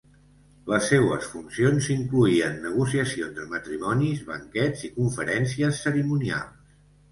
Les seues funcions incloïen negociacions de matrimonis, banquets i conferències cerimonials.